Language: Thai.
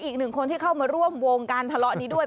อีกหนึ่งคนที่เข้ามาร่วมวงการทะเลาะนี้ด้วย